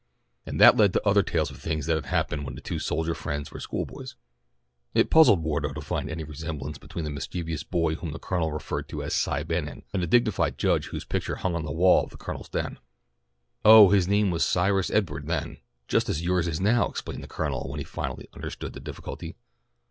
And that led to other tales of things that had happened when the two soldier friends were schoolboys. It puzzled Wardo to find any resemblance between the mischievous boy whom the Colonel referred to as Cy Bannon, and the dignified judge whose picture hung on the wall of the Colonel's den. "Oh, his name was Cyrus Edward then, just as yours is now," explained the Colonel when he finally understood the difficulty.